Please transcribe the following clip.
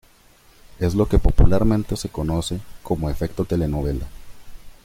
Es lo que popularmente se conoce como efecto telenovela.